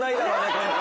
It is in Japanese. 今回。